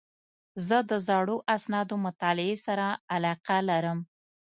زه د زړو اسنادو مطالعې سره علاقه لرم.